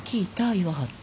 言わはって。